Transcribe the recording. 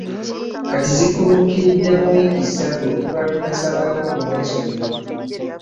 Kati zikunnukiridde mu wiiki ssattu okuva wenasalowo okumwesonyiwa .